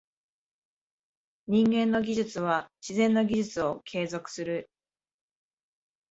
人間の技術は自然の技術を継続する。